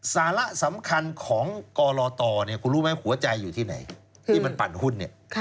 สาระสำคัญของกรตคุณรู้ไหมหัวใจอยู่ที่ไหนที่มันปั่นหุ้นเนี่ย